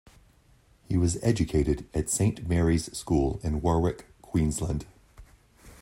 He was educated at Saint Mary's School in Warwick, Queensland.